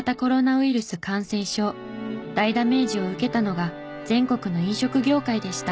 大ダメージを受けたのが全国の飲食業界でした。